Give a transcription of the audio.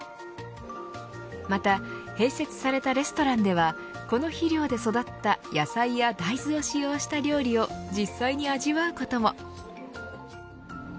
また、併設されたレストランではこの肥料で育った野菜や大豆を使用した料理を実際に味わうことも。